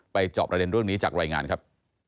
ไปจอบรายเรียนเรื่องนี้จากรายงานครับ